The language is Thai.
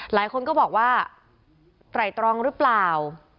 หลายคนก็บอกว่าไตรตรองหรือเปล่า